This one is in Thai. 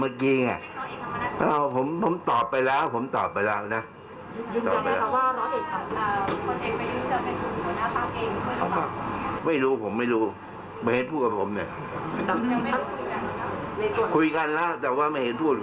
คุยกันแล้วแต่ว่าไม่เห็นพูด